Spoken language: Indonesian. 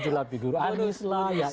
ada modus ya